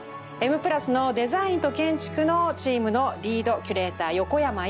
「Ｍ＋」のデザインと建築のチームのリードキュレーター横山いくこさん。